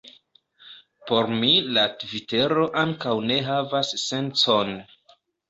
Por mi la Tvitero ankaŭ ne havas sencon.